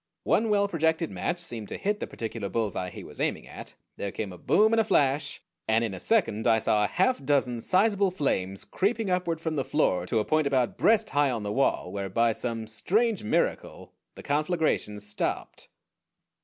One well projected match seemed to hit the particular bullseye he was aiming at. There came a boom and a flash, and in a second I saw a half dozen sizable flames creeping upward from the floor to a point about breast high on the wall, where by some strange miracle the conflagration stopped.